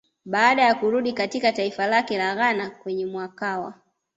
Baada ya kurudi katika taifa lake la Ghana kwenye mwakawa